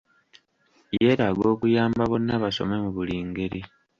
Yeetaaga okuyamba 'Bonna Basome' mu buli ngeri.